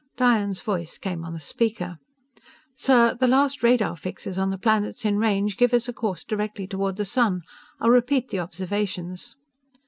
Diane's voice came on the speaker: "_Sir, the last radar fixes on the planets in range give us a course directly toward the sun. I'll repeat the observations.